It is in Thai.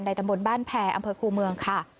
ตำบลบ้านแพรอำเภอคูเมืองค่ะ